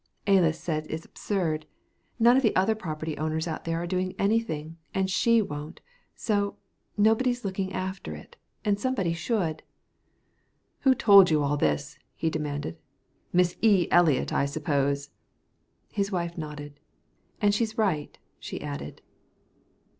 Alys says it's absurd; none of the other property owners out there are doing anything, and she won't. So, nobody's looking after it, and somebody should." "Who told you all this?" he demanded. "Miss E. Eliot, I suppose." His wife nodded. "And she's right," she added.